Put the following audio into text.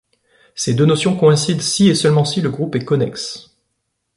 Ces deux notions coïncident si et seulement si le groupe est connexe.